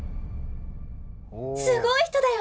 「すごい人だよね」。